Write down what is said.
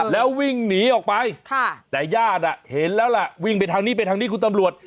แล้ววิ่งหนีออกไปแต่ญาติเห็นแล้วล่ะวิ่งไปทางนี้ไปทางนี้คุณตำรวจ